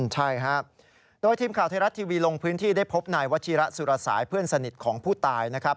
ใช่ครับโดยทีมข่าวไทยรัฐทีวีลงพื้นที่ได้พบนายวัชิระสุรสายเพื่อนสนิทของผู้ตายนะครับ